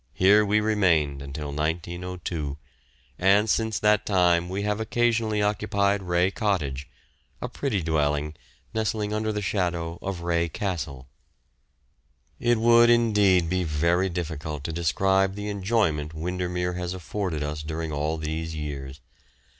Here we remained until 1902, and since that time we have occasionally occupied Wray Cottage, a pretty dwelling nestling under the shadow of Wray Castle. [Illustration: YACHTING ON WINDERMERE, 1909.] It would indeed be very difficult to describe the enjoyment Windermere has afforded us during all these years.